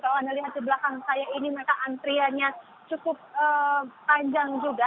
kalau anda lihat di belakang saya ini mereka antriannya cukup panjang juga